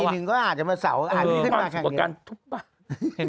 ปีหนึ่งก็อาจจะมาเสาอาจมีความสุขกับการทุบบ้าน